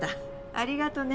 ありがとね。